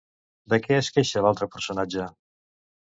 De què es queixa l'altre personatge?